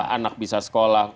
anak bisa sekolah